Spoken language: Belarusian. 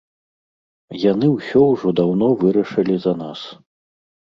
Яны ўсё ўжо даўно вырашылі за нас.